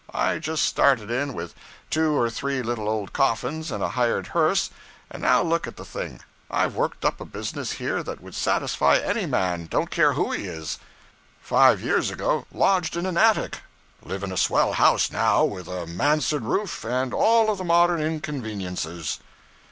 I just started in with two or three little old coffins and a hired hearse, and now look at the thing! I've worked up a business here that would satisfy any man, don't care who he is. Five years ago, lodged in an attic; live in a swell house now, with a mansard roof, and all the modern inconveniences.'